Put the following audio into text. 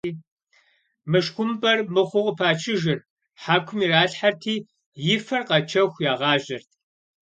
Мышхумпӏэр мыхъуу къыпачыжырт, хьэкум иралъхьэрти, и фэр къэчэху, ягъажьэрт.